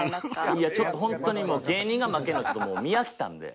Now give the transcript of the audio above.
いやちょっと、本当にもう芸人が負けるの見飽きたんで。